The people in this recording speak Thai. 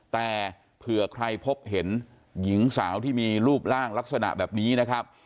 แต่เผื่อใครพบเห็นหญิงสาวที่มีรูปร่างลักษณะแบบนี้นะครับ